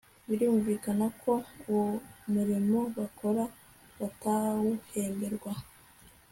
birumvikana ko uwo murimo bakora batawuhemberwa